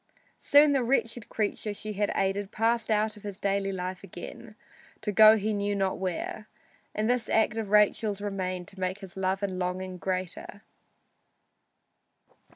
Soon the wretched creature she had aided passed out of his daily life again to go he knew not where, and this act of Rachel's remained to make his love and longing greater.